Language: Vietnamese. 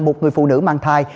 một người phụ nữ mang thai